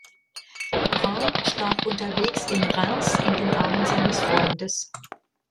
Brun starb unterwegs in Reims in den Armen seines Freundes.